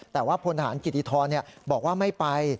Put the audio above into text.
แต่ว่าพลทหารกิติธรบอกว่าไม่ไป